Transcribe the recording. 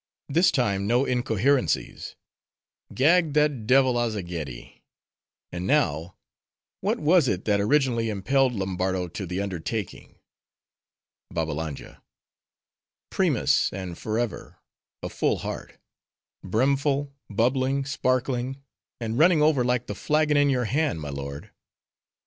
this time no incoherencies; gag that devil, Azzageddi. And now, what was it that originally impelled Lombardo to the undertaking? BABBALANJA—Primus and forever, a full heart:—brimful, bubbling, sparkling; and running over like the flagon in your hand, my lord.